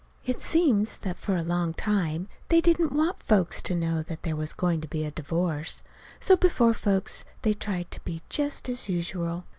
It seems that for a long time they didn't want folks to know there was going to be a divorce. So before folks they tried to be just as usual.